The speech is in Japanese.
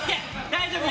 大丈夫。